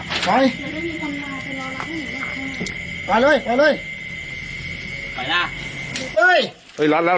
มันออกไม่ต้องกลัว